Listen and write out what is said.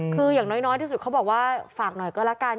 คืออย่างน้อยที่สุดเขาบอกว่าฝากหน่อยก็แล้วกัน